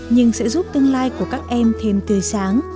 nhưng sẽ giúp tương lai của các em thêm tươi sáng